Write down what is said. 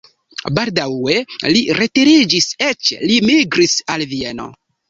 Baldaŭe li retiriĝis, eĉ li migris al Vieno.